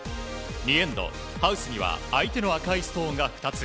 ２エンド、ハウスには相手の赤いストーンが２つ。